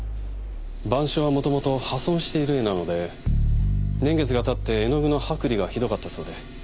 『晩鐘』はもともと破損している絵なので年月が経って絵の具の剥離がひどかったそうで。